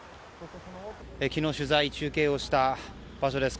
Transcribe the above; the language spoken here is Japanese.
昨日、取材中継をした場所です。